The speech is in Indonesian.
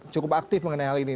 cukup aktif mengenai hal ini